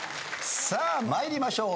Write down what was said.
さあ参りましょう。